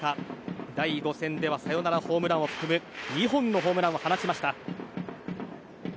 第５戦ではサヨナラホームランを含む２本のホームランを放ちました。